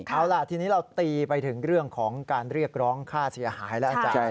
เอาล่ะทีนี้เราตีไปถึงเรื่องของการเรียกร้องค่าเสียหายแล้วอาจารย์